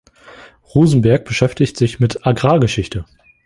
Rosenberg beschäftigt sich mit Agrargeschichte.